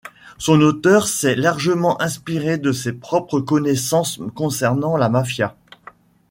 Son auteur s'est largement inspiré de ses propres connaissances concernant la mafia.